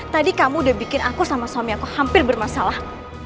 tadi kamu udah bikin aku sama suami aku hampir bermasalah